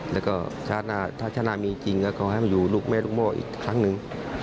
แล้วก็ถ้าชนะมีจริงก็ให้มันอยู่ลูกแม่ลูกโม่อีกครั้งหนึ่ง